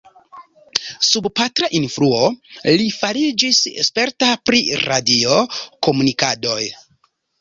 Sub patra influo, li fariĝis sperta pri radio-komunikadoj.